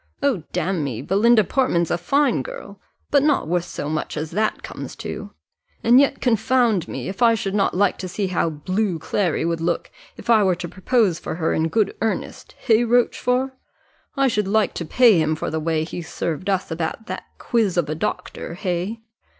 Oh, damme, Belinda Portman's a fine girl, but not worth so much as that comes to; and yet, confound me, if I should not like to see how blue Clary would look, if I were to propose for her in good earnest hey, Rochfort? I should like to pay him for the way he served us about that quiz of a doctor, hey?"